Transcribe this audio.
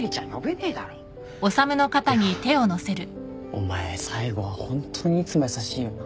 お前最後はホントにいつも優しいよな。